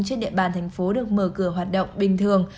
trên địa bàn thành phố được mở cửa hoạt động bình thường